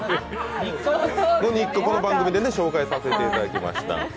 この番組で紹介させていただきました。